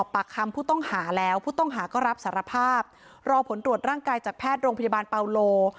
พี่ต้องหาก็รับสารภาพรอผลตรวจร่างกายจากแพทย์โรงพยาบาลปาโหล